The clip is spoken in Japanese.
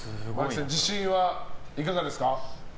自信はいかがですか？